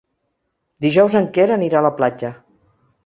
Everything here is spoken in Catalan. Dijous en Quer anirà a la platja.